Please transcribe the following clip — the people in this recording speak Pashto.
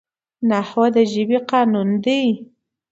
نحوه د ژبي قانون دئ.